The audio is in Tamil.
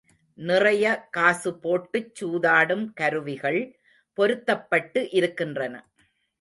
நிறைய காசு போட்டுச் சூதாடும் கருவிகள் பொருத்தப்பட்டு இருக்கின்றன.